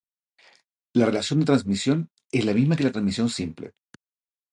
La relación de transmisión es la misma que en la transmisión simple.